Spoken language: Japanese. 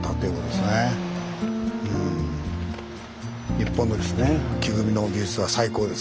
日本の木組みの技術は最高です。